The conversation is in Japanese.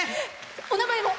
お名前も。